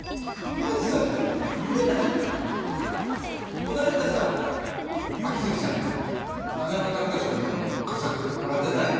この間さ秋月さんが長山短歌賞の佳作もらったじゃない。